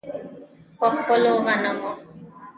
په خپلو غنمو.